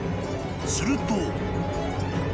［すると］